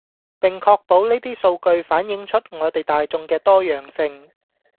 並確保呢啲數據反映出我地大衆既多樣性